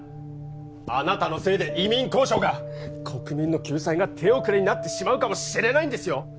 あなたのせいで移民交渉が国民の救済が手遅れになってしまうかもしれないんですよ！